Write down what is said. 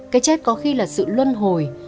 cái chết có khi là sự luân hồi